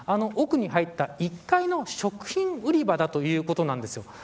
あの奥に入った１階の食品売り場だということです。